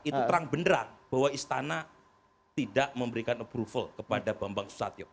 itu terang benderang bahwa istana tidak memberikan approval kepada bambang susatyo